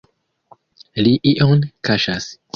Li ion kaŝas!